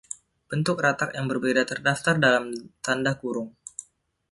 Bentuk Ratak yang berbeda terdaftar dalam tanda kurung.